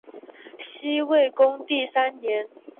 西魏恭帝三年。